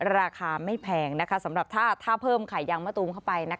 ราคาไม่แพงสำหรับถ้าเพิ่มไข่ยางมะตูมเข้าไป